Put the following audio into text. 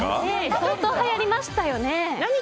相当はやりましたよね。